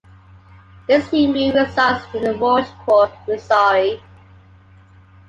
Least Heat-Moon resides in Rocheport, Missouri.